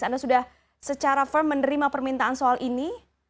anda sudah secara firm menerima permintaan soal ini